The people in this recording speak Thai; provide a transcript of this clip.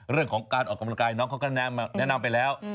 เรื่องของการออกกำลังกายน้องเขาก็แนะนำไปแล้ว